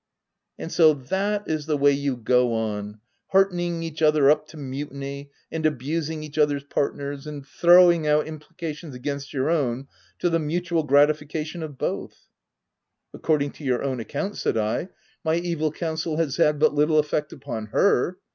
" And so that is the way you go on — heart ening each other up to mutiny, and abusing each other's partners, and throwing out impli cations against your own, to the mutual grati fication of both l" " According to your own account," said I, OF WILDFELL HALL. 193 " my evil counsel has had but little effect upon her.